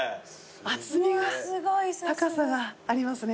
厚みが高さがありますね。